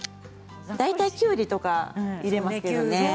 大体、きゅうりとか入れますよね。